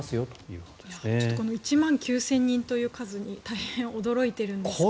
この１万９０００人という数に大変驚いているんですが。